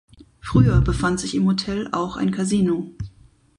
Früher befand sich im Hotel auch ein Casino.